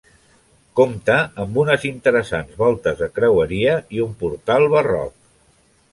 Compta amb unes interessants voltes de creueria i un portal barroc.